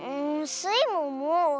スイもおもう。